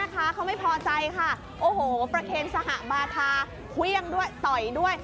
นี่คือพ่อค้าแม่ค้าเขาไม่พอใจค่ะโอ้โหประเข็นสหบาทาเวียงด้วยต่อยด้วย